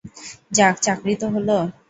যাক, চাকরি তো হলো।